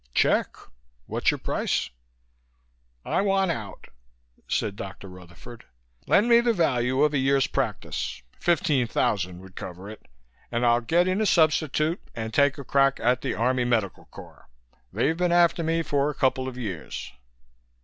"Check! What's your price?" "I want out," said Dr. Rutherford. "Lend me the value of a year's practice fifteen thousand would cover it and I'll get in a substitute and take a crack at the Army Medical Corps. They've been after me for a couple of years."